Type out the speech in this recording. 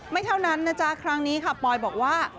เท่านั้นนะจ๊ะครั้งนี้ค่ะปอยบอกว่า